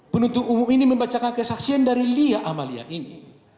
penuntut umum ini membacakan kesaksian dari lia amalia ini